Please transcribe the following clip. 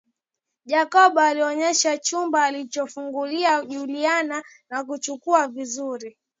Jacob alioneshwa chumba alichojifungulia Juliana na kuchunguza vizuri